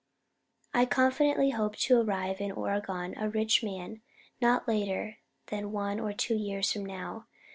I confidently Hope to arrive in Oregon a rich man not later than one or two years from Now.